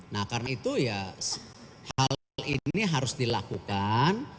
nah karena itu ya hal ini harus dilakukan